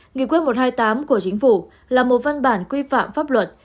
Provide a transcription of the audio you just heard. nghị quyết một trăm hai mươi tám của chính phủ là một văn bản quy phạm pháp luật